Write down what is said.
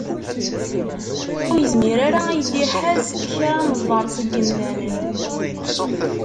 Ur yezmir ara ad iyi-d-iḥaz kra n ḍḍer seg yemdanen.